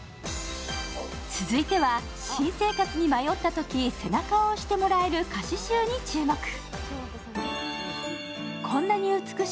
続いては、新生活に迷ったとき、背中を押してもらえる歌詞集に注目。